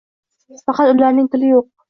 Faqat ularning tili yo‘q...